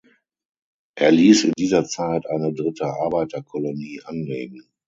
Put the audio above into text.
Er ließ in dieser Zeit eine dritte Arbeiterkolonie anlegen.